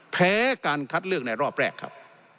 แพ้การคัดเลือกในรอบแรกครับ